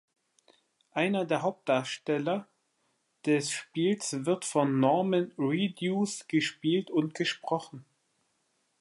Einer der Hauptdarsteller des Spiels wird von Norman Reedus gespielt und gesprochen.